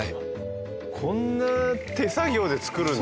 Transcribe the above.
こんな手作業で作るんですね。